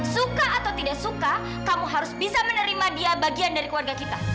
suka atau tidak suka kamu harus bisa menerima dia bagian dari keluarga kita